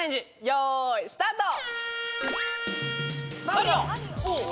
よーいスタート！